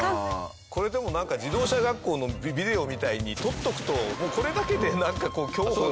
これでもなんか自動車学校のビデオみたいに撮っておくとこれだけでなんかこう教本になるよね。